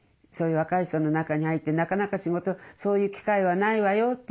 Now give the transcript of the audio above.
そういう若い人の中に入ってなかなかそういう機会はないわよ。